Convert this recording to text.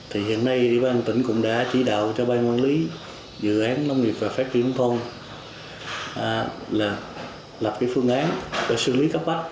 hiện nay bang tỉnh cũng đã chỉ đạo cho bang quản lý dự án nông nghiệp và phát triển thông là lập phương án để xử lý các bách